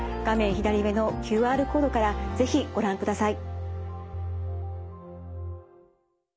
左上のＱＲコードから是非ご覧ください。